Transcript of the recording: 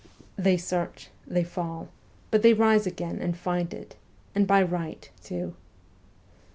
They search, they fall, but they rise again, and find it and by right, too.